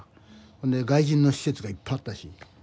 ほんで外人の施設がいっぱいあったし。